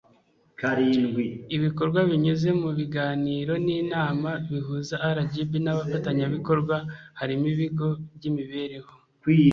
ibikorwa binyuze mu biganiro n'inama bihuza rgb n'abafatanyabikorwa harimo ibigo by'imibereho